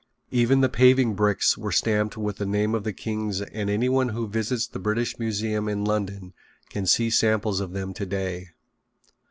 Even the paving brick were stamped with the name of the king and anyone who visits the British Museum in London can see samples of them today.